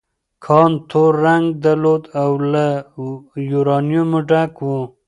کان تور رنګ درلود او له یورانیم ډک و.